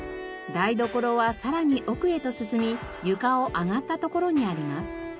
台所はさらに奥へと進み床を上がった所にあります。